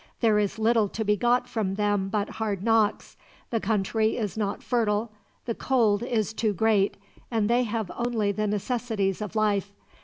"There is little to be got from them but hard knocks. The country is not fertile, the cold is too great, and they have only the necessities of life.